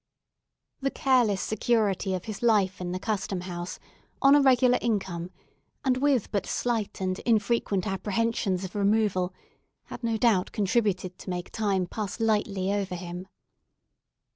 The careless security of his life in the Custom House, on a regular income, and with but slight and infrequent apprehensions of removal, had no doubt contributed to make time pass lightly over him.